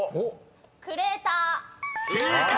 「クレーター」［正解！